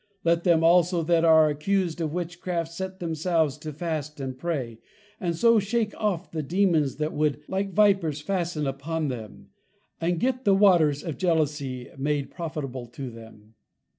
Let them also that are accused of Witchcraft, set themselves to Fast and Pray, and so shake off the Dæmons that would like Vipers fasten upon them; and get the Waters of Jealousie made profitable to them.